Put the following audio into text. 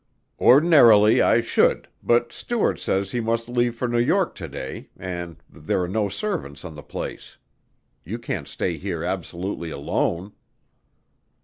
"Ordinarily I should, but Stuart says he must leave for New York to day and there are no servants on the place. You can't stay here absolutely alone."